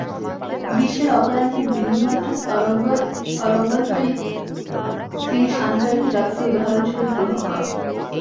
গ্রীষ্মের অপরাহ্নে বিন্দুমাত্র তরঙ্গরহিত স্থির শান্ত একটি হ্রদকে উদাহরণ-স্বরূপ গ্রহণ কর।